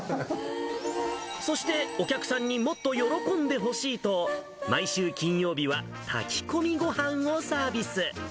そして、お客さんにもっと喜んでほしいと、毎週金曜日は炊き込みごはんをサービス。